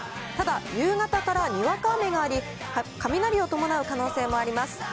ただ、夕方からにわか雨があり、雷を伴う可能性もあります。